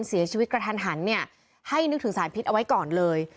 เสียชีวิตกระทันหันเนี่ยให้นึกถึงสารพิษเอาไว้ก่อนเลย